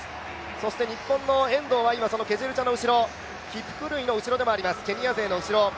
そして日本の遠藤はそのケジェルチャの後ろ、キプクルイの後ろでもあります。